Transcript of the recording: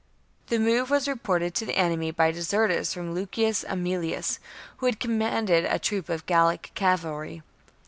The move was reported to the enemy by deserters from Lucius Aemilius, who commanded a troop of Gallic cavalry.